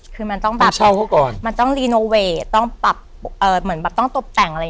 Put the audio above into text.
คือมันต้องแบบเช่าเขาก่อนมันต้องรีโนเวทต้องปรับเอ่อเหมือนแบบต้องตบแต่งอะไร